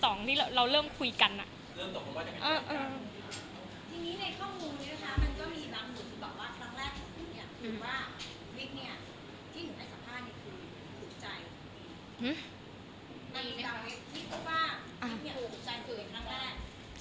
ตอนนี้คิดว่าที่เมียโอปกรุกจันทร์เกิดอีกครั้งแรก